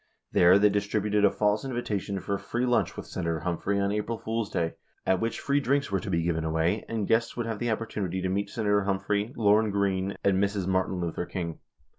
There they distributed a false invitation for a free lunch with Senator Humphrey on April Fool's Day at which free drinks were to be given away, and guests would have the opportunity to meet Senator Humphrey, Lome Green and Mrs. Martin Luther King.